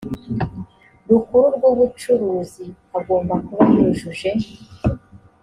rukuru rw ubucuruzi agomba kuba yujuje